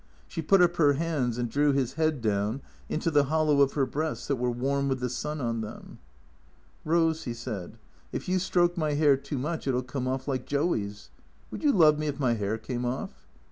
She put up her hands and drew his head down into the hollow of her breasts that were w^arm with the sun on them. " Rose," he said, " if you stroke my hair too much it '11 come off, like Joey's. Would you love me if my hair came off?